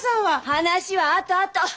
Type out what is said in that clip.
話はあとあと！